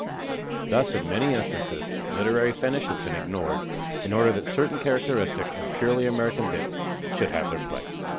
Thus, in many instances literary finish has been ignored in order that certain characteristic and purely American bits should have their place.